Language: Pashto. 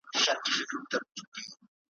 سل مي ښځي له مېړونو جلا كړي ,